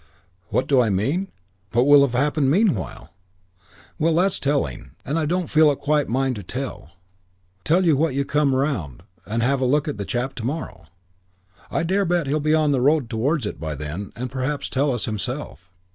What do I mean? What will have happened meanwhile? Well, that's telling; and I don't feel it's quite mine to tell. Tell you what, you come around and have a look at the old chap to morrow. I dare bet he'll be on the road towards it by then and perhaps tell us himself.